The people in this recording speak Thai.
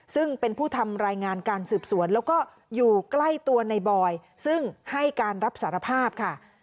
ซึ่งเป็นผู้ทำรายงานการสืบสวนแล้วก็อยู่ใกล้ตัวในบอยซึ่งให้การรับสารภาพค่ะ